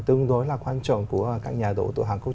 tương đối là quan trọng của các nhà đầu tư hàn quốc